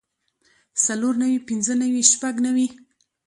څلور نوي پنځۀ نوي شپږ نوي